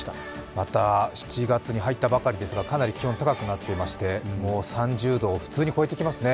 また７月に入ったばかりですがまた気温高くなっていましてもう３０度を普通に超えてきますね。